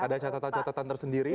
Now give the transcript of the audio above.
ada catatan catatan tersendiri